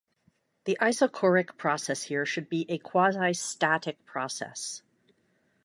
The isochoric process here should be a quasi-static process.